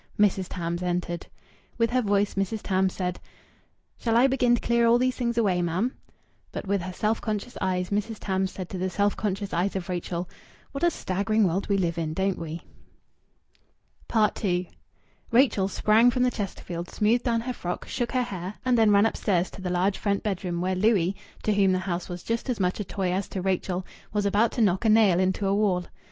Mrs. Tams entered. With her voice Mrs. Tams said, "Shall I begin to clear all these things away, mam?" But with her self conscious eyes Mrs. Tams said to the self conscious eyes of Rachel, "What a staggering world we live in, don't we?" II Rachel sprang from the Chesterfield, smoothed down her frock, shook her hair, and then ran upstairs to the large front bedroom, where Louis, to whom the house was just as much a toy as to Rachel, was about to knock a nail into a wall.